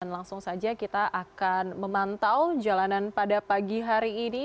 langsung saja kita akan memantau jalanan pada pagi hari ini